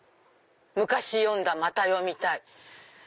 「昔読んだまた読みたい」。